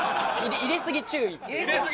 入れすぎ注意。